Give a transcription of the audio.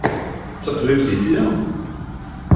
D taṭbibt i tella?